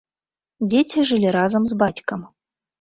Дзеці жылі разам з бацькам.